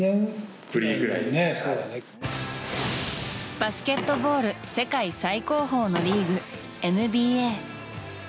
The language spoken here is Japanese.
バスケットボール世界最高峰のリーグ、ＮＢＡ。